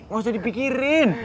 gak usah dipikirin